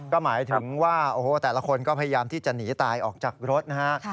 ก็หมายถึงว่าโอ้โหแต่ละคนก็พยายามที่จะหนีตายออกจากรถนะฮะ